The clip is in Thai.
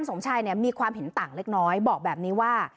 สมชัยมีความเห็นต่างเล็กน้อยบอกแบบนี้ว่า